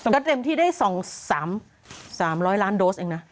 ก็เต็มที่ได้สองสามสามร้อยล้านโดสเองนะ